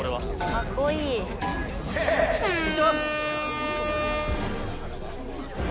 かっこいい。いきます！